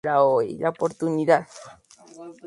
En zonas rocosas.